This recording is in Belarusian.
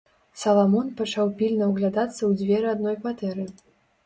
Саламон пачаў пільна ўглядацца ў дзверы адной кватэры.